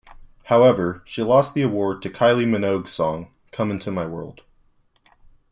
However, she lost the award to Kylie Minogue's song "Come into My World".